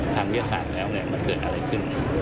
วิทยาศาสตร์แล้วมันเกิดอะไรขึ้น